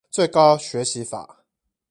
最高學習法